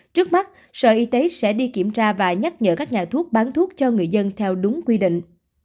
trước mắt sở y tế sẽ đi kiểm tra và nhắc nhở các nhà thuốc bán thuốc cho người dân theo đúng quy định